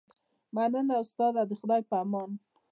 مننه استاده د خدای په امان